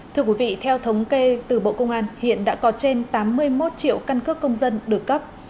thưa quý vị theo thống kê từ bộ công an hiện đã có trên tám mươi một triệu căn cước công dân được cấp